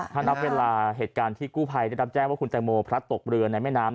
ถ้านับเวลาเหตุการณ์ที่กู้ภัยได้รับแจ้งว่าคุณแตงโมพลัดตกเรือในแม่น้ำ